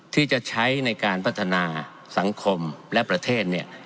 ที่จะใช้ในการพัฒนาสังคมและประเทศเนี่ย